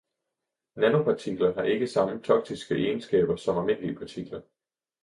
Nanopartikler har ikke samme toksiske egenskaber som almindelige partikler.